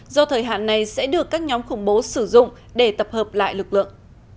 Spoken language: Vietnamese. do thời hạn này sẽ được các nhóm khủng bố sử dụng để tập hợp lại lực lượng